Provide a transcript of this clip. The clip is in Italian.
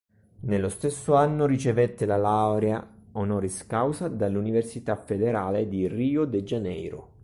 Nello stesso anno ricevette la laurea honoris causa dall'Università Federale di Rio de Janeiro.